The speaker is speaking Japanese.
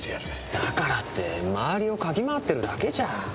だからって周りを嗅ぎ回ってるだけじゃ。